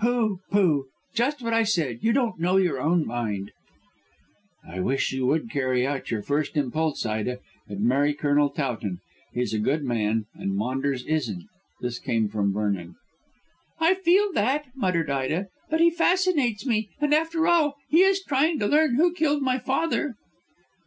"Pooh! Pooh! Just what I said: you don't know your own mind." "I wish you would carry out your first impulse, Ida, and marry Colonel Towton. He's a good man and Maunders isn't." This came from Vernon. "I feel that," muttered Ida, "but he fascinates me. And, after all, he is trying to learn who killed my father."